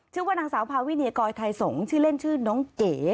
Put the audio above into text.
ชื่อว่านางสาวพาวิเนียกอยไทยสงฆ์ชื่อเล่นชื่อน้องเก๋